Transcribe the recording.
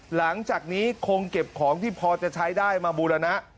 หลังจากนี้คงเก็บของที่พอจะใช้ได้มาบูรณะ